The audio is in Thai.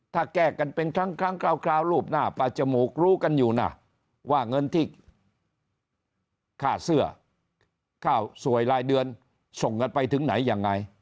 ถ้าแก้กันเป็นครั้งคราวรูปหน้าปลาจมูกรู้กันอยู่นะว่าเงินที่ค่าเสื้อข้าวสวยรายเดือนส่งกันไปถึงไหนยังไง